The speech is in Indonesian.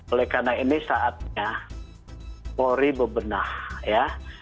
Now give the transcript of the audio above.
oleh karena ini saatnya polri bebenah ya